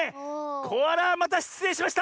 コアラまたしつれいしました！